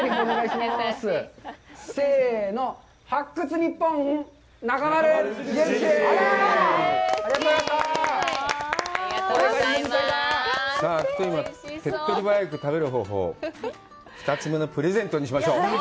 さあ、手っ取り早く食べる方法、２つ目のプレゼントにしましょう。